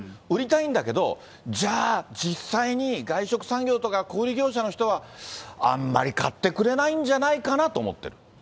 売りたいんだけど、じゃあ、実際に外食産業とか小売り業者の人はあんまり買ってくれないんじゃないかなって思ってる。